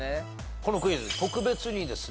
このクイズ特別にですね